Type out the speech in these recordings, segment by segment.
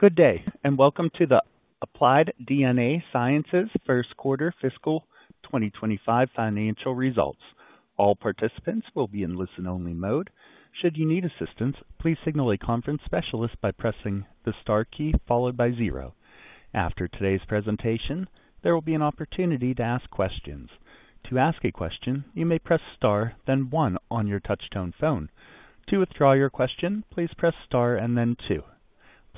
Good day, and welcome to the Applied DNA Sciences first quarter fiscal 2025 financial results. All participants will be in listen-only mode. Should you need assistance, please signal a conference specialist by pressing the star key followed by zero. After today's presentation, there will be an opportunity to ask questions. To ask a question, you may press star, then one on your touchtone phone. To withdraw your question, please press star and then two.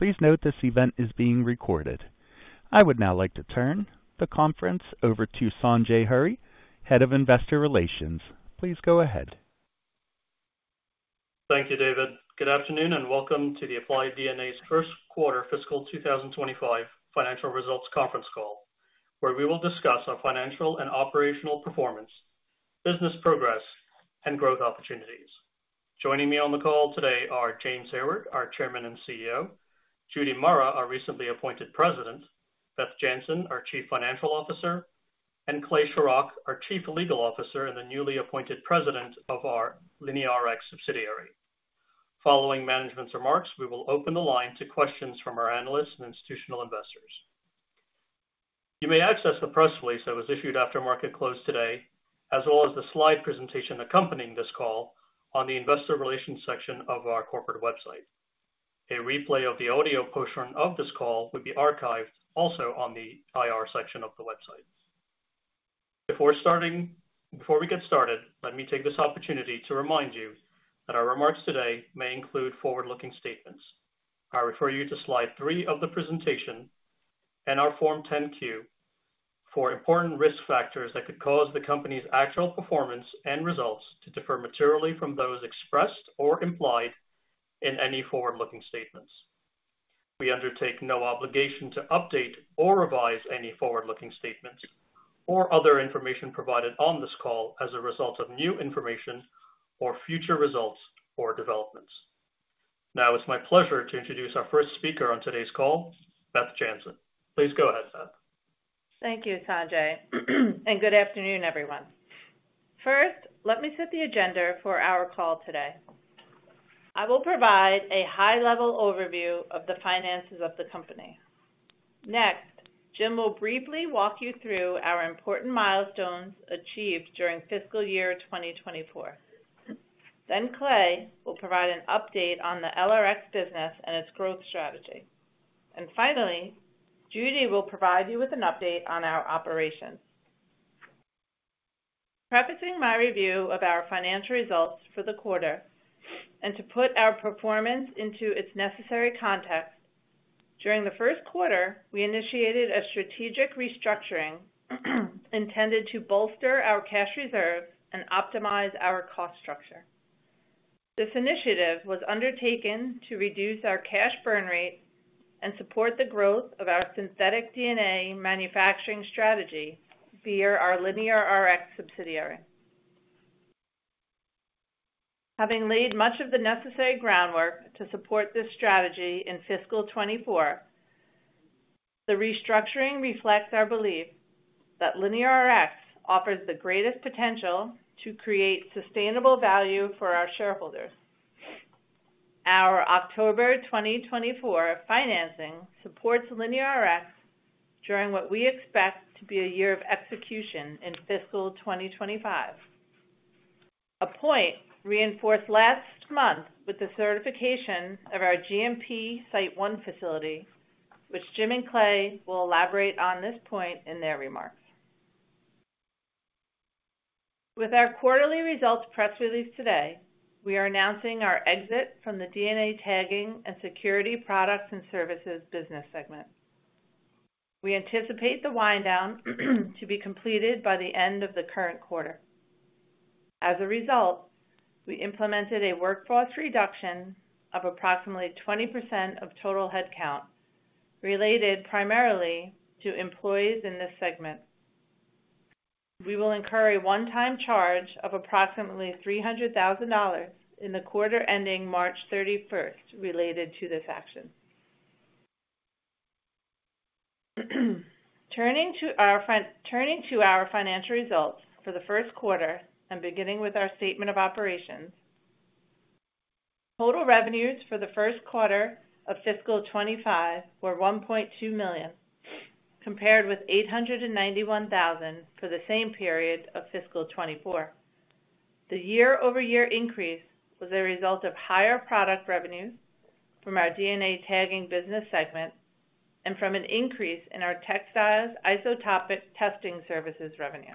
Please note this event is being recorded. I would now like to turn the conference over to Sanjay Hurry, Head of Investor Relations. Please go ahead. Thank you, David. Good afternoon and welcome to the Applied DNA's first quarter fiscal 2025 financial results conference call, where we will discuss our financial and operational performance, business progress, and growth opportunities. Joining me on the call today are James Hayward, our Chairman and CEO; Judith Murrah, our recently appointed President; Beth Jantzen, our Chief Financial Officer; and Clay Shorrock, our Chief Legal Officer and the newly appointed President of our LineaRx subsidiary. Following management's remarks, we will open the line to questions from our analysts and institutional investors. You may access the press release that was issued after market close today, as well as the slide presentation accompanying this call on the Investor Relations section of our corporate website. A replay of the audio portion of this call would be archived also on the IR section of the website. Before we get started, let me take this opportunity to remind you that our remarks today may include forward-looking statements. I refer you to slide three of the presentation and our Form 10Q for important risk factors that could cause the company's actual performance and results to differ materially from those expressed or implied in any forward-looking statements. We undertake no obligation to update or revise any forward-looking statements or other information provided on this call as a result of new information or future results or developments. Now, it's my pleasure to introduce our first speaker on today's call, Beth Jantzen. Please go ahead, Beth. Thank you, Sanjay, and good afternoon, everyone. First, let me set the agenda for our call today. I will provide a high-level overview of the finances of the company. Next, Jim will briefly walk you through our important milestones achieved during fiscal year 2024. Clay will provide an update on the LRX business and its growth strategy. Finally, Judy will provide you with an update on our operations. Prefacing my review of our financial results for the quarter, and to put our performance into its necessary context, during the first quarter, we initiated a strategic restructuring intended to bolster our cash reserves and optimize our cost structure. This initiative was undertaken to reduce our cash burn rate and support the growth of our synthetic DNA manufacturing strategy via our LineaRx subsidiary. Having laid much of the necessary groundwork to support this strategy in fiscal 2024, the restructuring reflects our belief that LineaRx offers the greatest potential to create sustainable value for our shareholders. Our October 2024 financing supports LineaRx during what we expect to be a year of execution in fiscal 2025. A point reinforced last month with the certification of our GMP Site One facility, which Jim and Clay will elaborate on this point in their remarks. With our quarterly results press release today, we are announcing our exit from the DNA tagging and security products and services business segment. We anticipate the wind down to be completed by the end of the current quarter. As a result, we implemented a workforce reduction of approximately 20% of total headcount related primarily to employees in this segment. We will incur a one-time charge of approximately $300,000 in the quarter ending March 31 related to this action. Turning to our financial results for the first quarter and beginning with our statement of operations, total revenues for the first quarter of fiscal 2025 were $1.2 million, compared with $891,000 for the same period of fiscal 2024. The year-over-year increase was a result of higher product revenues from our DNA tagging business segment and from an increase in our textiles isotopic testing services revenue.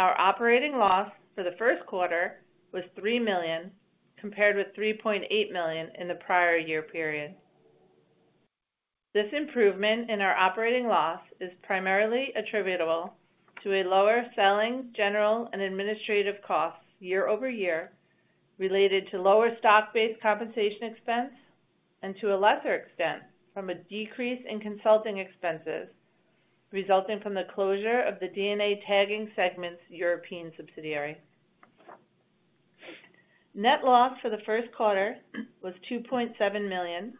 Our operating loss for the first quarter was $3 million, compared with $3.8 million in the prior year period. This improvement in our operating loss is primarily attributable to lower selling, general, and administrative costs year-over-year related to lower stock-based compensation expense and to a lesser extent from a decrease in consulting expenses resulting from the closure of the DNA tagging segment's European subsidiary. Net loss for the first quarter was $2.7 million,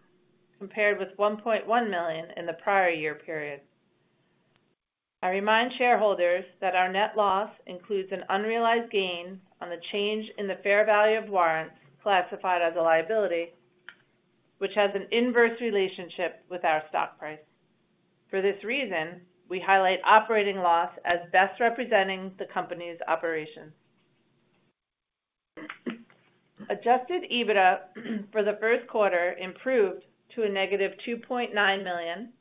compared with $1.1 million in the prior year period. I remind shareholders that our net loss includes an unrealized gain on the change in the fair value of warrants classified as a liability, which has an inverse relationship with our stock price. For this reason, we highlight operating loss as best representing the company's operations. Adjusted EBITDA for the first quarter improved to a negative $2.9 million,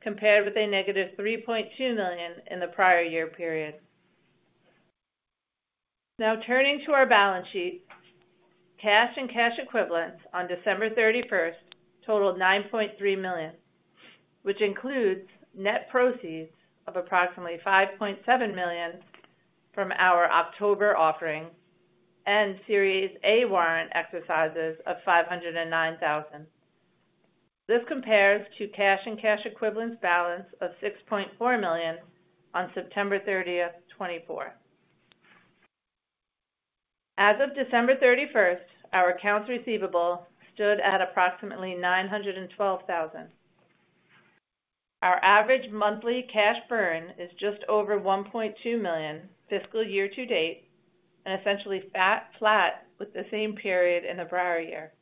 compared with a negative $3.2 million in the prior year period. Now, turning to our balance sheet, cash and cash equivalents on December 31 totaled $9.3 million, which includes net proceeds of approximately $5.7 million from our October offering and Series A warrant exercises of $509,000. This compares to cash and cash equivalents balance of $6.4 million on September 30, 2024. As of December 31, our accounts receivable stood at approximately $912,000. Our average monthly cash burn is just over $1.2 million fiscal year to date and essentially flat with the same period in the prior year.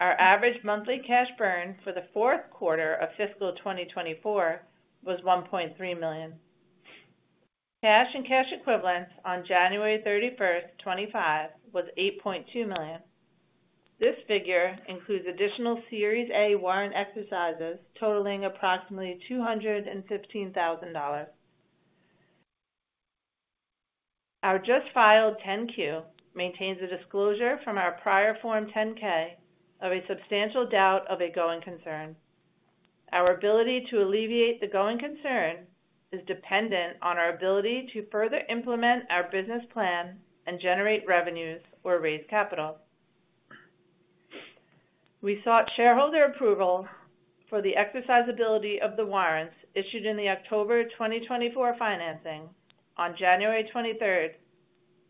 Our average monthly cash burn for the fourth quarter of fiscal 2024 was $1.3 million. Cash and cash equivalents on January 31, 2025, was $8.2 million. This figure includes additional Series A warrant exercises totaling approximately $215,000. Our just filed 10Q maintains a disclosure from our prior Form 10K of a substantial doubt of a going concern. Our ability to alleviate the going concern is dependent on our ability to further implement our business plan and generate revenues or raise capital. We sought shareholder approval for the exercisability of the warrants issued in the October 2024 financing on January 23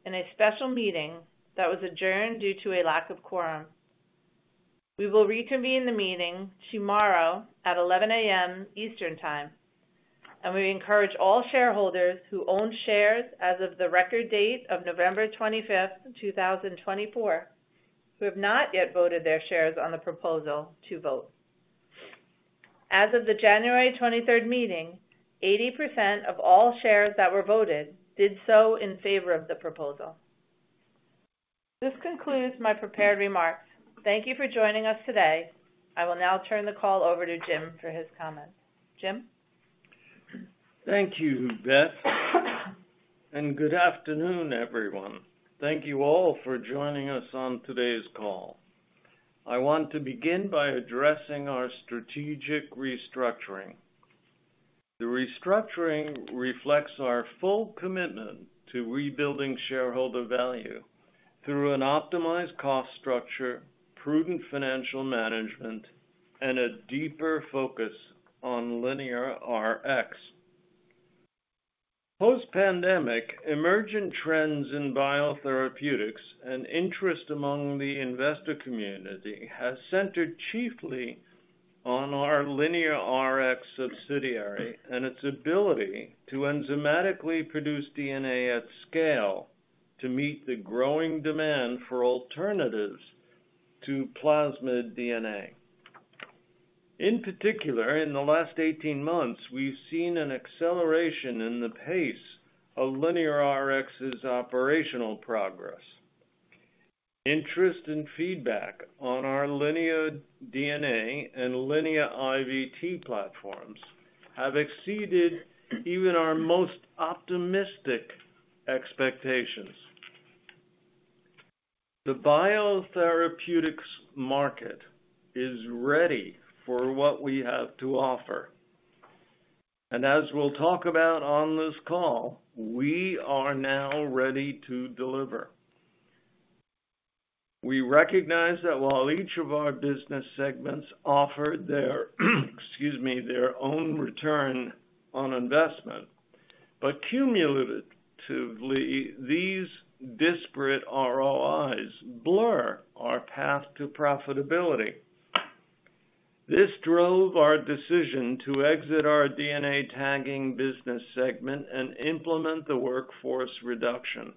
in a special meeting that was adjourned due to a lack of quorum. We will reconvene the meeting tomorrow at 11:00 A.M. Eastern Time, and we encourage all shareholders who own shares as of the record date of November 25, 2024, who have not yet voted their shares on the proposal to vote. As of the January 23 meeting, 80% of all shares that were voted did so in favor of the proposal. This concludes my prepared remarks. Thank you for joining us today. I will now turn the call over to Jim for his comments. Jim? Thank you, Beth, and good afternoon, everyone. Thank you all for joining us on today's call. I want to begin by addressing our strategic restructuring. The restructuring reflects our full commitment to rebuilding shareholder value through an optimized cost structure, prudent financial management, and a deeper focus on LineaRx. Post-pandemic, emergent trends in biotherapeutics and interest among the investor community have centered chiefly on our LineaRx subsidiary and its ability to enzymatically produce DNA at scale to meet the growing demand for alternatives to plasmid DNA. In particular, in the last 18 months, we've seen an acceleration in the pace of LineaRx's operational progress. Interest and feedback on our Linea DNA and Linea IVT platforms have exceeded even our most optimistic expectations. The biotherapeutics market is ready for what we have to offer. As we'll talk about on this call, we are now ready to deliver. We recognize that while each of our business segments offer their own return on investment, but cumulatively, these disparate ROIs blur our path to profitability. This drove our decision to exit our DNA tagging business segment and implement the workforce reduction.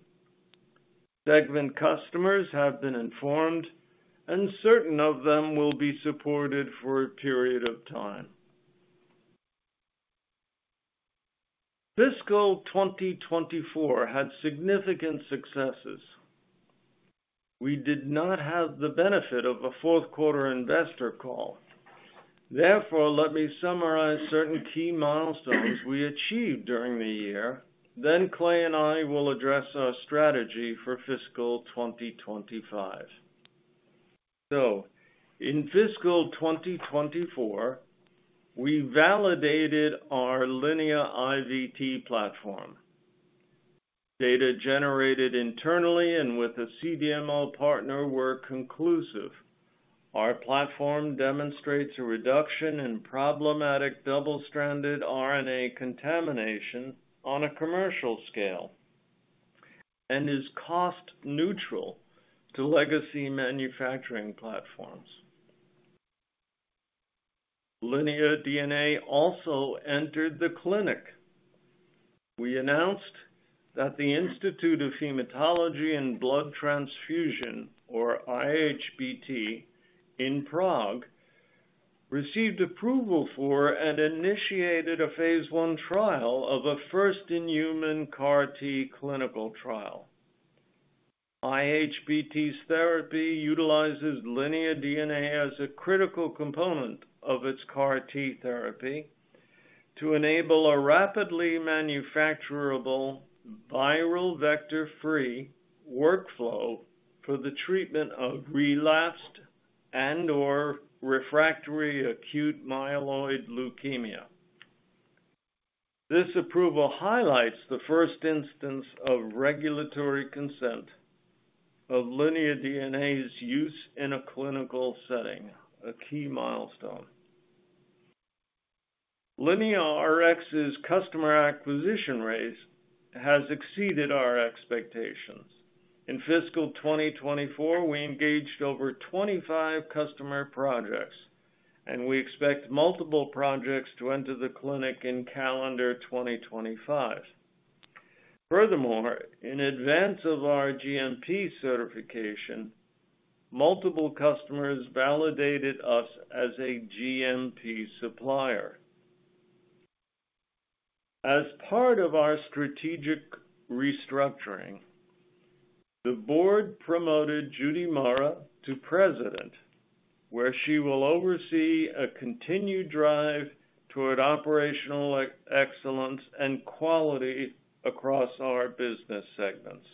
Segment customers have been informed, and certain of them will be supported for a period of time. Fiscal 2024 had significant successes. We did not have the benefit of a fourth quarter investor call. Therefore, let me summarize certain key milestones we achieved during the year, then Clay and I will address our strategy for fiscal 2025. In fiscal 2024, we validated our Linea IVT platform. Data generated internally and with a CDMO partner were conclusive. Our platform demonstrates a reduction in problematic double-stranded RNA contamination on a commercial scale and is cost-neutral to legacy manufacturing platforms. Linea DNA also entered the clinic. We announced that the Institute of Hematology and Blood Transfusion, or IHBT, in Prague received approval for and initiated a phase I trial of a first inhuman CAR-T clinical trial. IHBT's therapy utilizes Linea DNA as a critical component of its CAR-T therapy to enable a rapidly manufacturable viral vector-free workflow for the treatment of relapsed and/or refractory acute myeloid leukemia. This approval highlights the first instance of regulatory consent of Linea DNA's use in a clinical setting, a key milestone. LineaRx's customer acquisition rate has exceeded our expectations. In fiscal 2024, we engaged over 25 customer projects, and we expect multiple projects to enter the clinic in calendar 2025. Furthermore, in advance of our GMP certification, multiple customers validated us as a GMP supplier. As part of our strategic restructuring, the board promoted Judy Murrah to President, where she will oversee a continued drive toward operational excellence and quality across our business segments.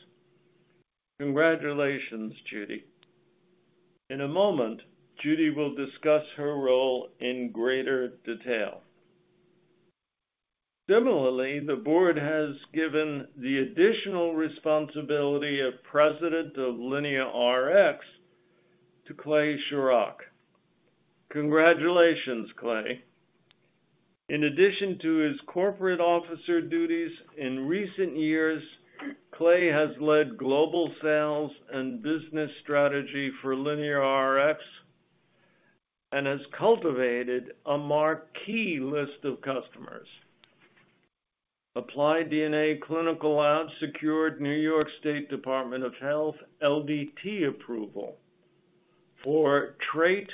Congratulations, Judy. In a moment, Judy will discuss her role in greater detail. Similarly, the board has given the additional responsibility of President of LineaRx to Clay Shorrock. Congratulations, Clay. In addition to his corporate officer duties in recent years, Clay has led global sales and business strategy for LineaRx and has cultivated a marquee list of customers. Applied DNA Clinical Labs secured New York State Department of Health LDT approval for TR8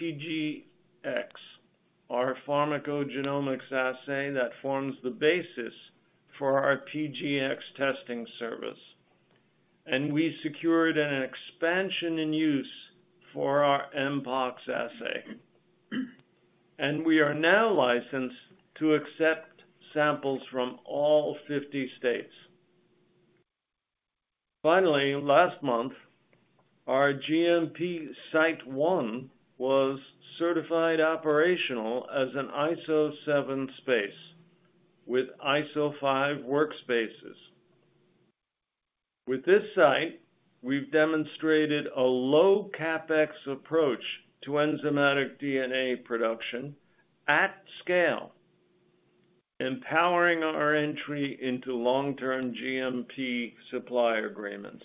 PGx, our pharmacogenomics assay that forms the basis for our PGx testing service. We secured an expansion in use for our Mpox assay. We are now licensed to accept samples from all 50 states. Finally, last month, our GMP Site One was certified operational as an ISO 7 space with ISO 5 workspaces. With this site, we've demonstrated a low CapEx approach to enzymatic DNA production at scale, empowering our entry into long-term GMP supply agreements.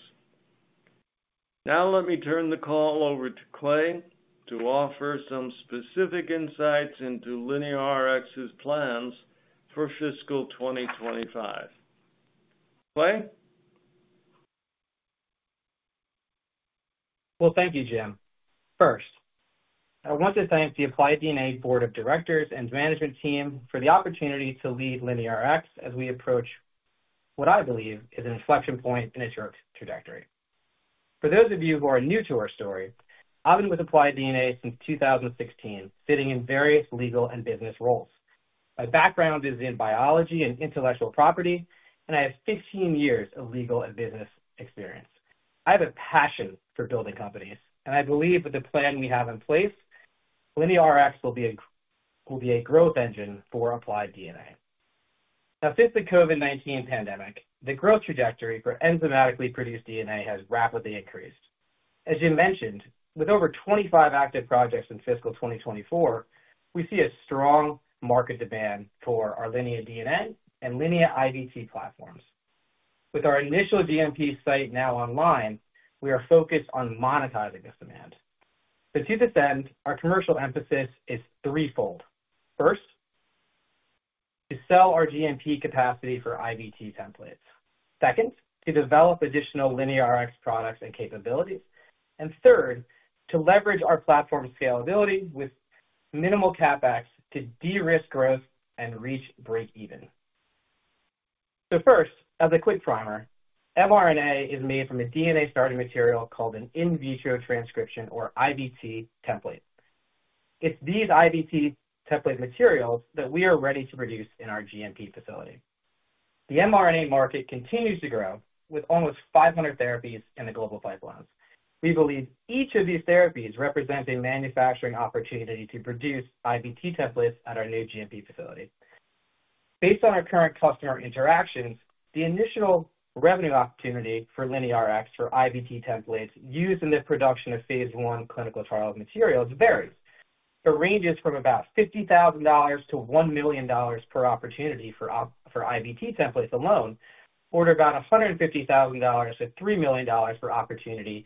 Now, let me turn the call over to Clay to offer some specific insights into LineaRx's plans for fiscal 2025. Clay? Thank you, Jim. First, I want to thank the Applied DNA Board of Directors and management team for the opportunity to lead LineaRx as we approach what I believe is an inflection point in its trajectory. For those of you who are new to our story, I've been with Applied DNA since 2016, sitting in various legal and business roles. My background is in biology and intellectual property, and I have 15 years of legal and business experience. I have a passion for building companies, and I believe with the plan we have in place, LineaRx will be a growth engine for Applied DNA. Now, since the COVID-19 pandemic, the growth trajectory for enzymatically produced DNA has rapidly increased. As you mentioned, with over 25 active projects in fiscal 2024, we see a strong market demand for our Linear DNA and Linear IVT platforms. With our initial GMP site now online, we are focused on monetizing this demand. To do this end, our commercial emphasis is threefold. First, to sell our GMP capacity for IVT templates. Second, to develop additional LinearX products and capabilities. Third, to leverage our platform scalability with minimal CapEx to de-risk growth and reach break-even. First, as a quick primer, mRNA is made from a DNA starting material called an in vitro transcription or IVT template. It's these IVT template materials that we are ready to produce in our GMP facility. The mRNA market continues to grow with almost 500 therapies in the global pipelines. We believe each of these therapies represents a manufacturing opportunity to produce IVT templates at our new GMP facility. Based on our current customer interactions, the initial revenue opportunity for LineaRx for IVT templates used in the production of phase one clinical trial materials varies. It ranges from about $50,000 to $1 million per opportunity for IVT templates alone, or about $150,000 to $3 million per opportunity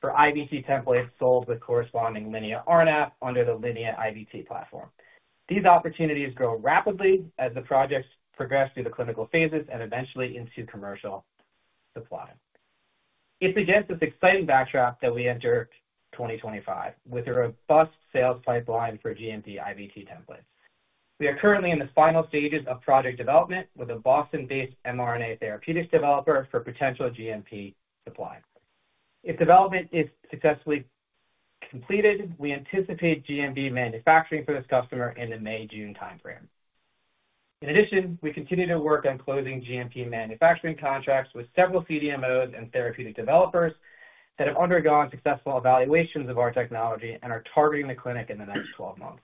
for IVT templates sold with corresponding Linea RNAP under the Linear IVT platform. These opportunities grow rapidly as the projects progress through the clinical phases and eventually into commercial supply. It is against this exciting backdrop that we enter 2025 with a robust sales pipeline for GMP IVT templates. We are currently in the final stages of project development with a Boston-based mRNA therapeutics developer for potential GMP supply. If development is successfully completed, we anticipate GMP manufacturing for this customer in the May-June timeframe. In addition, we continue to work on closing GMP manufacturing contracts with several CDMOs and therapeutic developers that have undergone successful evaluations of our technology and are targeting the clinic in the next 12 months.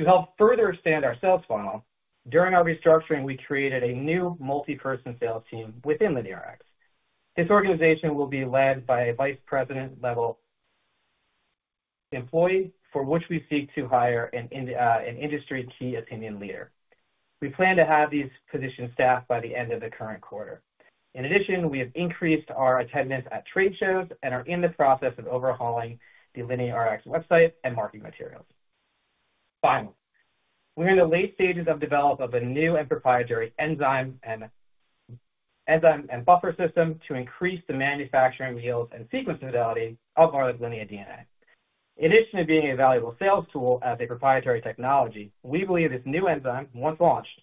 To help further expand our sales funnel, during our restructuring, we created a new multi-person sales team within LineaRx. This organization will be led by a vice president-level employee for which we seek to hire an industry key opinion leader. We plan to have these positions staffed by the end of the current quarter. In addition, we have increased our attendance at trade shows and are in the process of overhauling the LineaRx website and marketing materials. Finally, we're in the late stages of development of a new and proprietary enzyme and buffer system to increase the manufacturing yields and sequence fidelity of our Linear DNA. In addition to being a valuable sales tool as a proprietary technology, we believe this new enzyme, once launched,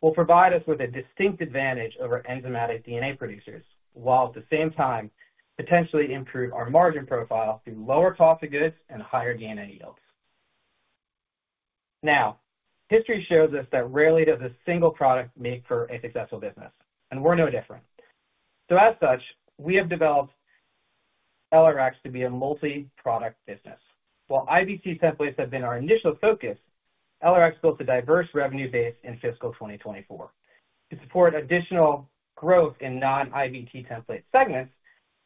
will provide us with a distinct advantage over enzymatic DNA producers, while at the same time potentially improve our margin profile through lower cost of goods and higher DNA yields. Now, history shows us that rarely does a single product make for a successful business, and we're no different. As such, we have developed LRX to be a multi-product business. While IVT templates have been our initial focus, LRX built a diverse revenue base in fiscal 2024. To support additional growth in non-IVT template segments,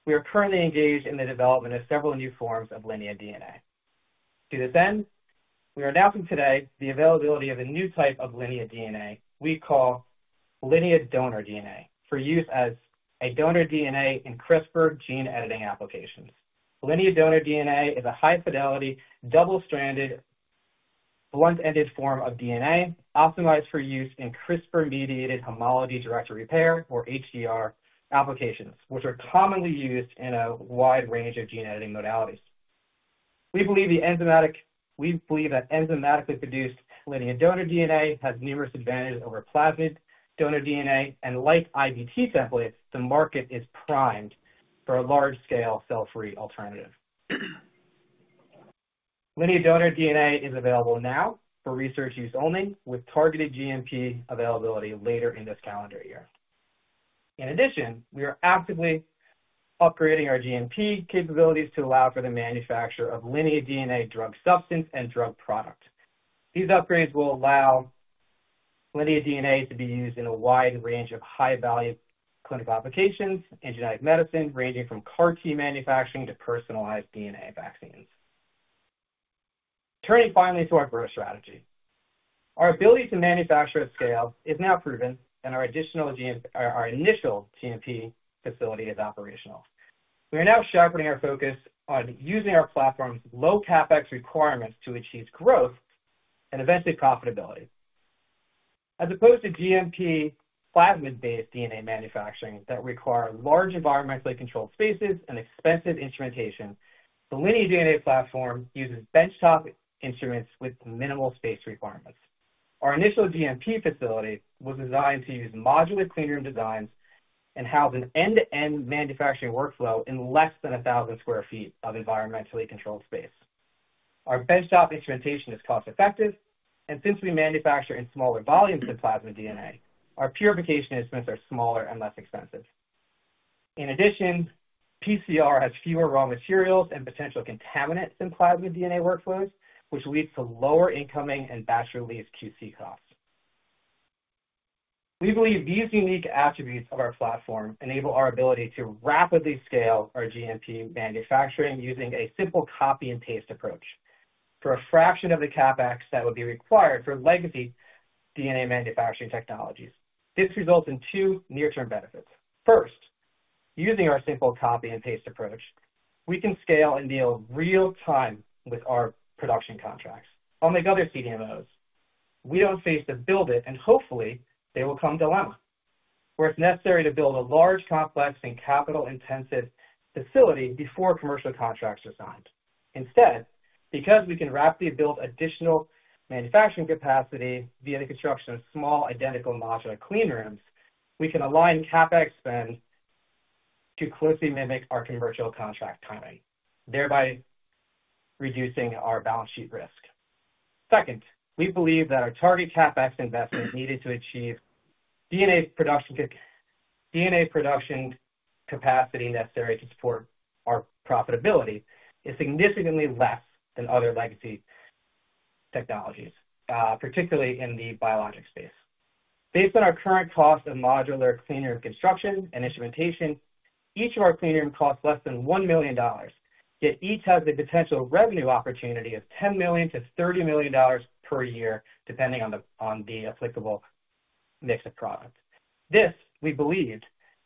we are currently engaged in the development of several new forms of Linear DNA. To this end, we are announcing today the availability of a new type of Linear DNA we call Linea Donor DNA for use as a donor DNA in CRISPR gene editing applications. Linea Donor DNA is a high-fidelity, double-stranded, blunt-ended form of DNA optimized for use in CRISPR-mediated homology directed repair, or HDR, applications, which are commonly used in a wide range of gene editing modalities. We believe that enzymatically produced Linea Donor DNA has numerous advantages over plasmid donor DNA, and like IVT templates, the market is primed for a large-scale cell-free alternative. Linea Donor DNA is available now for research use only, with targeted GMP availability later in this calendar year. In addition, we are actively upgrading our GMP capabilities to allow for the manufacture of Linear DNA drug substance and drug product. These upgrades will allow Linear DNA to be used in a wide range of high-value clinical applications in genetic medicine, ranging from CAR-T manufacturing to personalized DNA vaccines. Turning finally to our growth strategy, our ability to manufacture at scale is now proven, and our initial GMP facility is operational. We are now sharpening our focus on using our platform's low CapEx requirements to achieve growth and eventually profitability. As opposed to GMP plasmid-based DNA manufacturing that requires large environmentally controlled spaces and expensive instrumentation, the Linear DNA platform uses benchtop instruments with minimal space requirements. Our initial GMP facility was designed to use modular cleanroom designs and has an end-to-end manufacturing workflow in less than 1,000 sq ft of environmentally controlled space. Our benchtop instrumentation is cost-effective, and since we manufacture in smaller volumes than plasmid DNA, our purification instruments are smaller and less expensive. In addition, PCR has fewer raw materials and potential contaminants than plasmid DNA workflows, which leads to lower incoming and batch-release QC costs. We believe these unique attributes of our platform enable our ability to rapidly scale our GMP manufacturing using a simple copy-and-paste approach for a fraction of the CapEx that would be required for legacy DNA manufacturing technologies. This results in two near-term benefits. First, using our simple copy-and-paste approach, we can scale and deal real-time with our production contracts. Unlike other CDMOs, we don't face the build-it, and hopefully, they will come dilemma, where it's necessary to build a large, complex, and capital-intensive facility before commercial contracts are signed. Instead, because we can rapidly build additional manufacturing capacity via the construction of small identical modular cleanrooms, we can align CapEx spend to closely mimic our commercial contract timing, thereby reducing our balance sheet risk. Second, we believe that our target CapEx investment needed to achieve DNA production capacity necessary to support our profitability is significantly less than other legacy technologies, particularly in the biologic space. Based on our current cost of modular cleanroom construction and instrumentation, each of our cleanrooms costs less than $1 million, yet each has the potential revenue opportunity of $10 million-$30 million per year, depending on the applicable mix of products. This, we believe,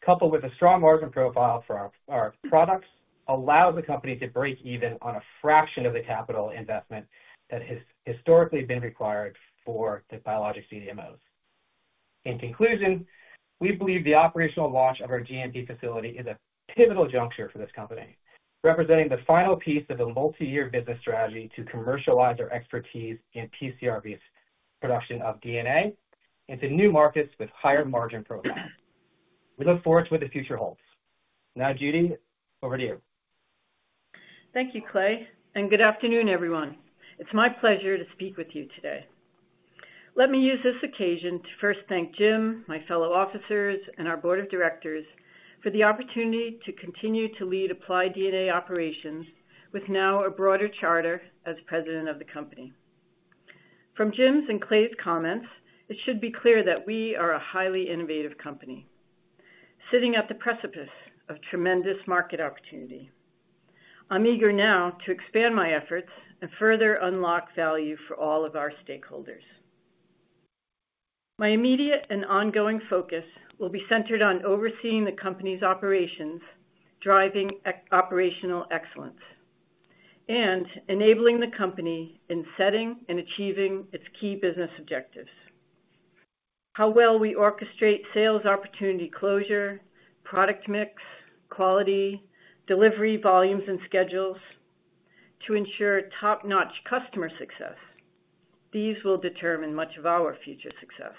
coupled with a strong margin profile for our products, allows the company to break even on a fraction of the capital investment that has historically been required for the biologic CDMOs. In conclusion, we believe the operational launch of our GMP facility is a pivotal juncture for this company, representing the final piece of a multi-year business strategy to commercialize our expertise in PCR-based production of DNA into new markets with higher margin profiles. We look forward to what the future holds. Now, Judy, over to you. Thank you, Clay. Good afternoon, everyone. It's my pleasure to speak with you today. Let me use this occasion to first thank Jim, my fellow officers, and our board of directors for the opportunity to continue to lead Applied DNA Operations with now a broader charter as President of the company. From Jim's and Clay's comments, it should be clear that we are a highly innovative company sitting at the precipice of tremendous market opportunity. I'm eager now to expand my efforts and further unlock value for all of our stakeholders. My immediate and ongoing focus will be centered on overseeing the company's operations, driving operational excellence, and enabling the company in setting and achieving its key business objectives. How well we orchestrate sales opportunity closure, product mix, quality, delivery volumes, and schedules to ensure top-notch customer success, these will determine much of our future success.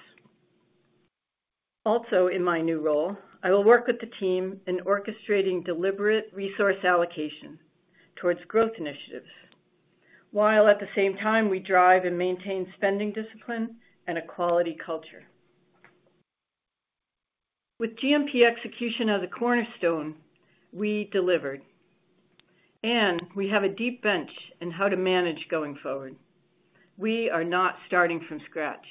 Also, in my new role, I will work with the team in orchestrating deliberate resource allocation towards growth initiatives while at the same time we drive and maintain spending discipline and a quality culture. With GMP execution as a cornerstone, we delivered, and we have a deep bench in how to manage going forward. We are not starting from scratch.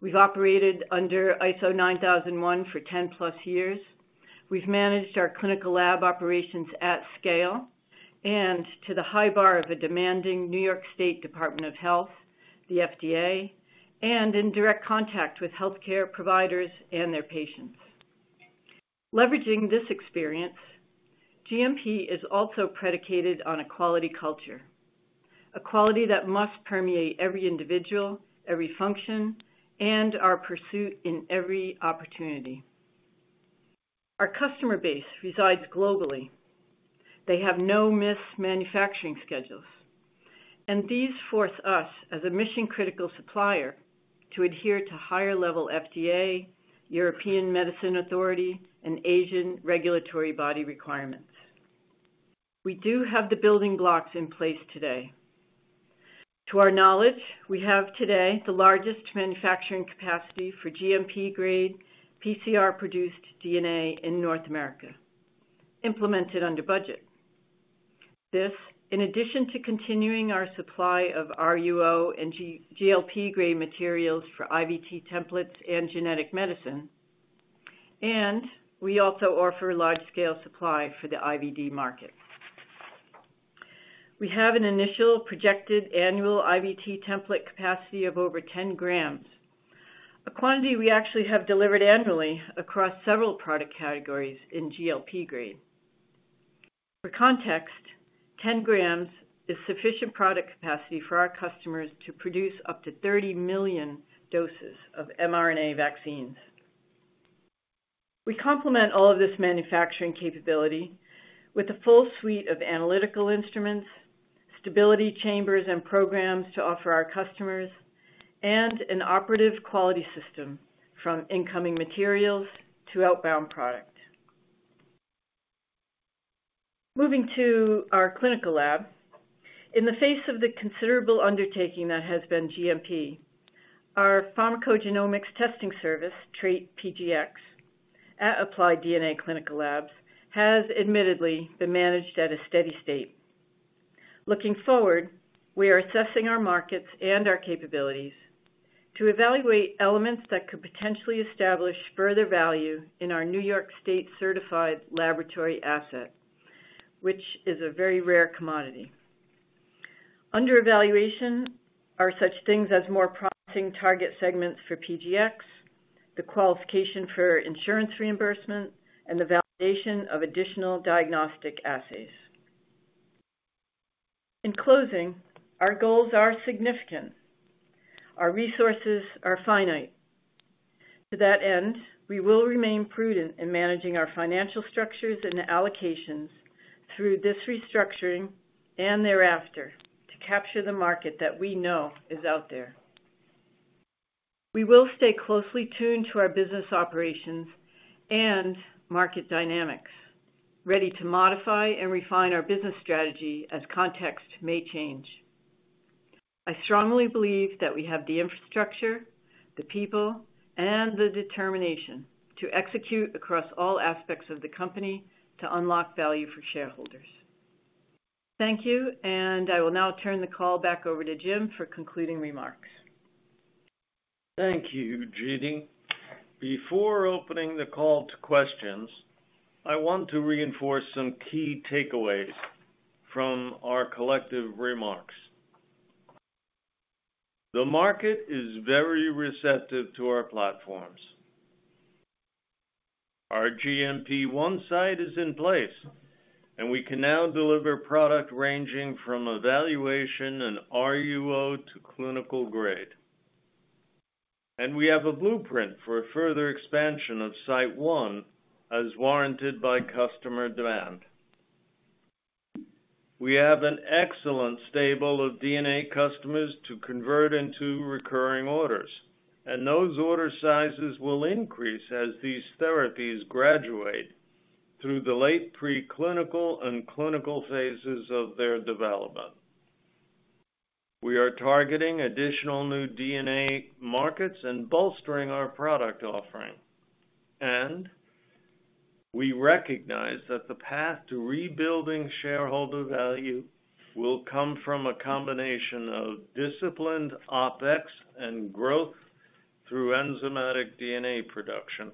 We've operated under ISO 9001 for 10-plus years. We've managed our clinical lab operations at scale and to the high bar of a demanding New York State Department of Health, the FDA, and in direct contact with healthcare providers and their patients. Leveraging this experience, GMP is also predicated on a quality culture, a quality that must permeate every individual, every function, and our pursuit in every opportunity. Our customer base resides globally. They have no missed manufacturing schedules, and these force us, as a mission-critical supplier, to adhere to higher-level FDA, European Medicine Authority, and Asian regulatory body requirements. We do have the building blocks in place today. To our knowledge, we have today the largest manufacturing capacity for GMP-grade PCR-produced DNA in North America, implemented under budget. This, in addition to continuing our supply of RUO and GLP-grade materials for IVT templates and genetic medicine, and we also offer large-scale supply for the IVD market. We have an initial projected annual IVT template capacity of over 10 grams, a quantity we actually have delivered annually across several product categories in GLP grade. For context, 10 grams is sufficient product capacity for our customers to produce up to 30 million doses of mRNA vaccines. We complement all of this manufacturing capability with a full suite of analytical instruments, stability chambers, and programs to offer our customers an operative quality system from incoming materials to outbound product. Moving to our clinical lab, in the face of the considerable undertaking that has been GMP, our pharmacogenomics testing service, TR8 PGx, at Applied DNA Clinical Labs has admittedly been managed at a steady state. Looking forward, we are assessing our markets and our capabilities to evaluate elements that could potentially establish further value in our New York State-certified laboratory asset, which is a very rare commodity. Under evaluation are such things as more processing target segments for PGX, the qualification for insurance reimbursement, and the validation of additional diagnostic assays. In closing, our goals are significant. Our resources are finite. To that end, we will remain prudent in managing our financial structures and allocations through this restructuring and thereafter to capture the market that we know is out there. We will stay closely tuned to our business operations and market dynamics, ready to modify and refine our business strategy as context may change. I strongly believe that we have the infrastructure, the people, and the determination to execute across all aspects of the company to unlock value for shareholders. Thank you, and I will now turn the call back over to Jim for concluding remarks. Thank you, Judy. Before opening the call to questions, I want to reinforce some key takeaways from our collective remarks. The market is very receptive to our platforms. Our GMP one-side is in place, and we can now deliver product ranging from evaluation and RUO to clinical grade. We have a blueprint for further expansion of Site 1 as warranted by customer demand. We have an excellent stable of DNA customers to convert into recurring orders, and those order sizes will increase as these therapies graduate through the late preclinical and clinical phases of their development. We are targeting additional new DNA markets and bolstering our product offering. We recognize that the path to rebuilding shareholder value will come from a combination of disciplined OpEx and growth through enzymatic DNA production.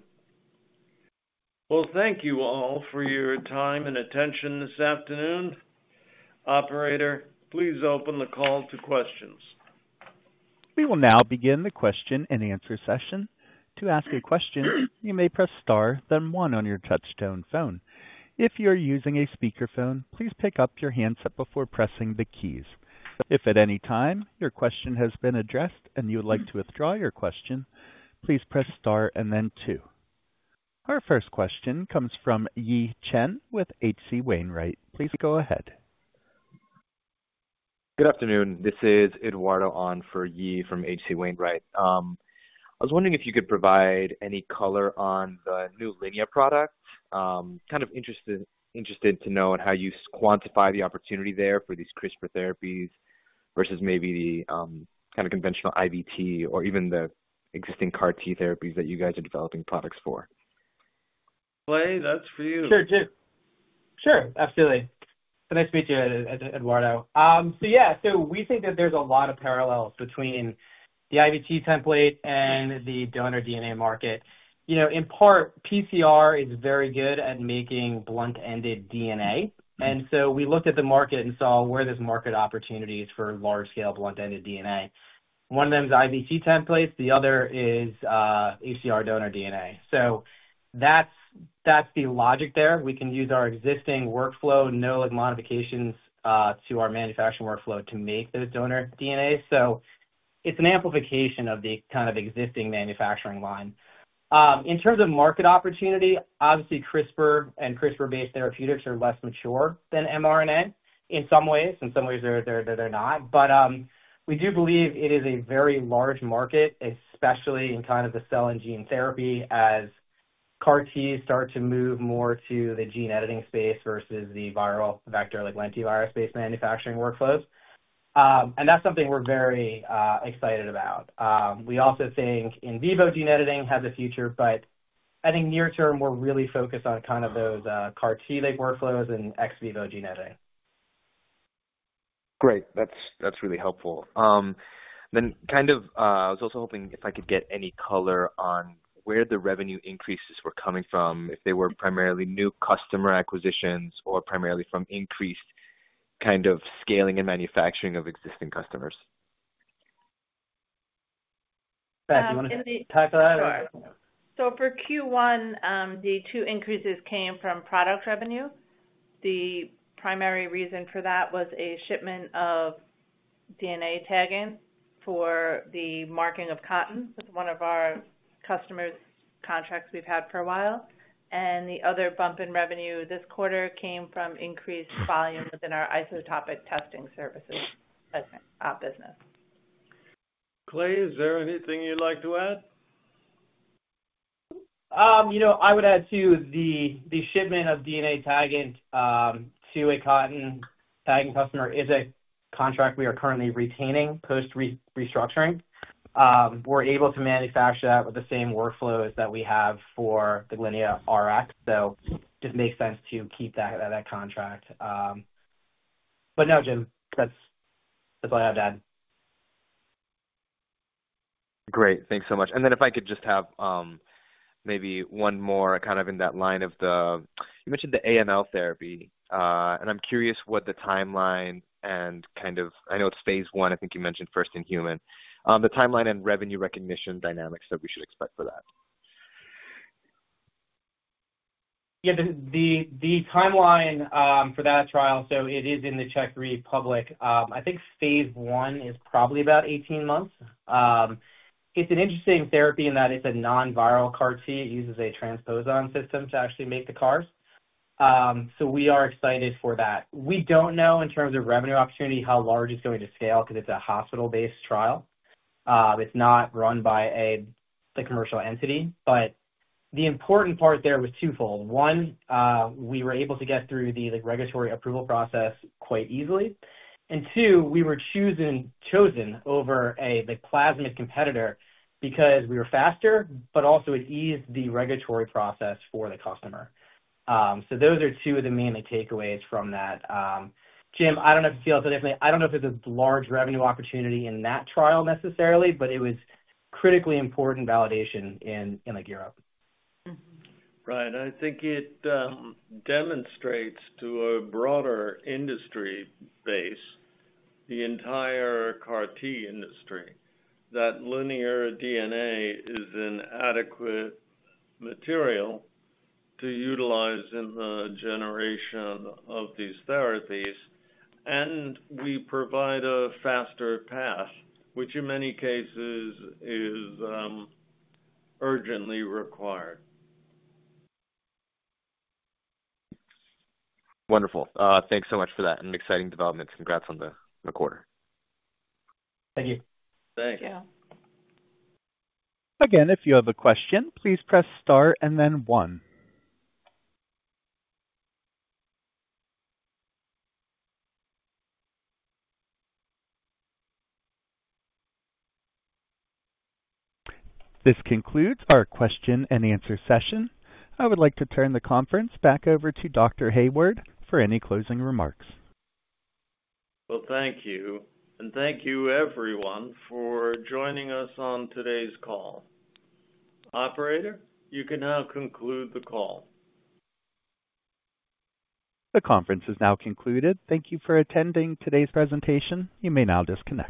Thank you all for your time and attention this afternoon. Operator, please open the call to questions. We will now begin the question-and-answer session. To ask a question, you may press Star, then 1 on your touch-tone phone. If you're using a speakerphone, please pick up your handset before pressing the keys. If at any time your question has been addressed and you would like to withdraw your question, please press Star and then 2. Our first question comes from Yi Chen with HC Wainwright. Please go ahead. Good afternoon. This is Eduardo Han for Yi from HC Wainwright. I was wondering if you could provide any color on the new linear product. Kind of interested to know how you quantify the opportunity there for these CRISPR therapies versus maybe the kind of conventional IVT or even the existing CAR-T therapies that you guys are developing products for. Clay, that's for you. Sure, Jim. Sure. Absolutely. It's nice to meet you, Eduardo. Yeah, we think that there's a lot of parallels between the IVT template and the donor DNA market. In part, PCR is very good at making blunt-ended DNA. We looked at the market and saw where there's market opportunities for large-scale blunt-ended DNA. One of them is IVT templates. The other is HDR donor DNA. That's the logic there. We can use our existing workflow, no modifications to our manufacturing workflow to make those donor DNA. It's an amplification of the kind of existing manufacturing line. In terms of market opportunity, obviously, CRISPR and CRISPR-based therapeutics are less mature than mRNA in some ways. In some ways, they're not. We do believe it is a very large market, especially in kind of the cell and gene therapy as CAR-Ts start to move more to the gene editing space versus the viral vector like lentivirus-based manufacturing workflows. That is something we are very excited about. We also think in vivo gene editing has a future, but I think near-term, we are really focused on kind of those CAR-T-like workflows and ex-vivo gene editing. Great. That's really helpful. I was also hoping if I could get any color on where the revenue increases were coming from, if they were primarily new customer acquisitions or primarily from increased kind of scaling and manufacturing of existing customers. Beth, do you want to talk about it? For Q1, the two increases came from product revenue. The primary reason for that was a shipment of DNA tagging for the marking of cotton. That is one of our customers' contracts we have had for a while. The other bump in revenue this quarter came from increased volume within our isotopic testing services business. Clay, is there anything you'd like to add? I would add to the shipment of DNA tagging to a cotton tagging customer is a contract we are currently retaining post-restructuring. We're able to manufacture that with the same workflows that we have for the LineaRx. It just makes sense to keep that contract. No, Jim, that's all I have to add. Great. Thanks so much. If I could just have maybe one more kind of in that line of the you mentioned the AML therapy. I'm curious what the timeline and kind of I know it's phase one. I think you mentioned first in human. The timeline and revenue recognition dynamics that we should expect for that. Yeah. The timeline for that trial, so it is in the Czech Republic. I think phase I is probably about 18 months. It's an interesting therapy in that it's a non-viral CAR-T. It uses a transposon system to actually make the CARs. We are excited for that. We don't know in terms of revenue opportunity how large it's going to scale because it's a hospital-based trial. It's not run by a commercial entity. The important part there was twofold. One, we were able to get through the regulatory approval process quite easily. Two, we were chosen over a plasmid competitor because we were faster, but also it eased the regulatory process for the customer. Those are two of the main takeaways from that. Jim, I don't know if you feel so differently. I don't know if there's a large revenue opportunity in that trial necessarily, but it was critically important validation in Europe. Right. I think it demonstrates to a broader industry base, the entire CAR-T industry, that Linear DNA is an adequate material to utilize in the generation of these therapies. We provide a faster path, which in many cases is urgently required. Wonderful. Thanks so much for that and exciting developments. Congrats on the quarter. Thank you. Thanks. Thank you. Again, if you have a question, please press Star and then 1. This concludes our question-and-answer session. I would like to turn the conference back over to Dr. Hayward for any closing remarks. Thank you. Thank you, everyone, for joining us on today's call. Operator, you can now conclude the call. The conference is now concluded. Thank you for attending today's presentation. You may now disconnect.